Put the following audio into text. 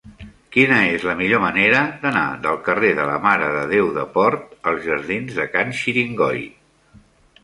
Quina és la millor manera d'anar del carrer de la Mare de Déu de Port als jardins de Can Xiringoi?